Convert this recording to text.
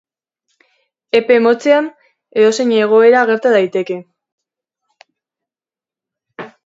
Epe motzean, edozein egoera gerta daiteke.